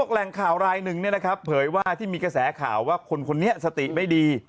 แหล่งข่าวลายหนึ่งเนี่ยนะครับเผยว่าที่มีกระแสข่าวว่าคนเนี่ยสติไม่ดี